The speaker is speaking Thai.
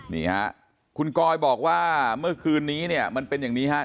นี่ฮะคุณกอยบอกว่าเมื่อคืนนี้เนี่ยมันเป็นอย่างนี้ฮะ